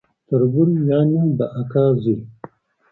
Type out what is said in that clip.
تربور يعني د اکا زوی